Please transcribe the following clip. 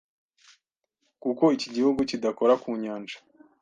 kuko iki gihugu kidakora ku nyanja.